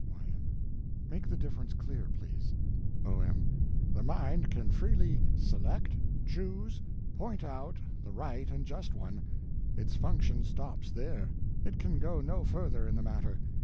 Y.M. Make the difference clear, please. O.M. The mind can freely _select, choose, point out _the right and just one—its function stops there. It can go no further in the matter.